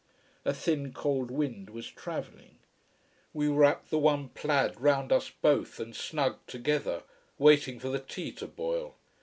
A thin, cold wind was travelling. We wrapped the one plaid round us both and snugged together, waiting for the tea to boil.